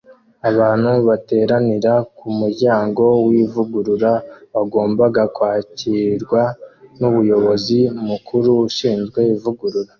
Abantu bateranira kumuryango wivugurura wagombaga kwakirwa numuyobozi mukuru ushinzwe ivugurura